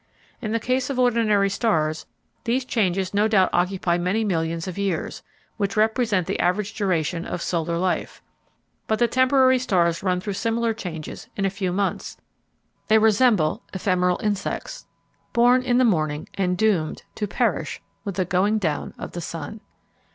In the case of ordinary stars these changes no doubt occupy many millions of years, which represent the average duration of solar life; but the temporary stars run through similar changes in a few months: they resemble ephemeral insects—born in the morning and doomed to perish with the going down of the sun.